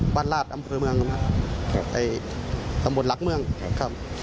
ราชอำเภอเมืองครับตำบลหลักเมืองครับ